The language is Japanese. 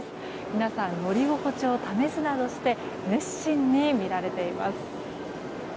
皆さん、乗り心地を試すなどして熱心に見られています。